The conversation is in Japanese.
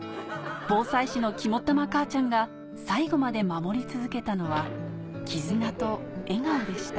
防災士の肝っ玉母ちゃんが最後まで守り続けたのは絆と笑顔でした